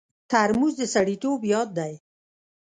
ترموز د سړیتوب یاد دی.